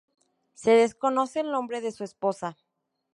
Se desconoce el nombre de su esposa.